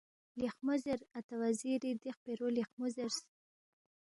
لیخمو زیر اتا وزیری دی خپیرو لیخمو زیرس